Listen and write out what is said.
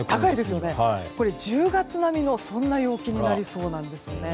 １０月並みのそんな陽気になりそうなんです。